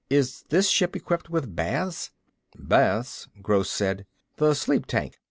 Is this ship equipped with baths?" "Baths?" Gross said. "The sleep tanks.